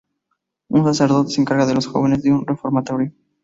Un sacerdote se encarga de los jóvenes de un reformatorio.